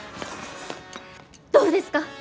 どうですか？